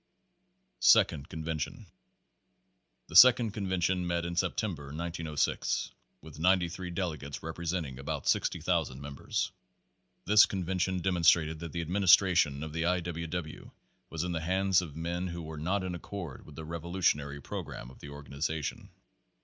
* Second Convention The Second convention met in September, 1906, with 93 delegates representing about 60,000 members. This convention demonstrated that the administra tion of the I. W. W. was in the hands of men who were not in accord with the revolutionary program of the organization.